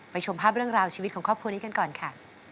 ชมภาพเรื่องราวชีวิตของครอบครัวนี้กันก่อนค่ะ